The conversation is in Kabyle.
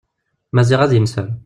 Maziɣ ad inser.